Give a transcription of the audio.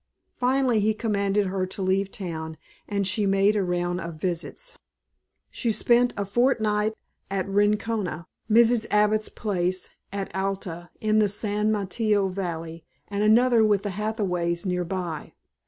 Finally he commanded her to leave town, and she made a round of visits. She spent a fortnight at Rincona, Mrs. Abbott's place at Alta, in the San Mateo valley, and another with the Hathaways near by.